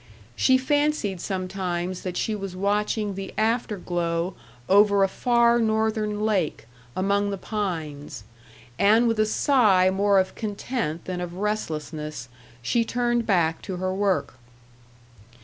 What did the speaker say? She fancied sometimes that she was watching the afterglow over a far northern lake, among the pines; and with a sigh more of content than of restlessness she turned back to her work....